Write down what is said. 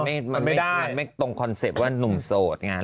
เพราะว่ามันไม่ตรงคอนเซ็ปต์ว่าหนุ่มโสดไงไม่ได้